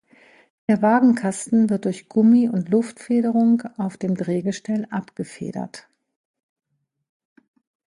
Der Wagenkasten wird durch Gummi- und Luftfederung auf dem Drehgestell abgefedert.